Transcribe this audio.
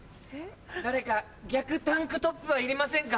誰か逆タンクトップはいりませんか？